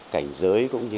cảnh giới cũng như là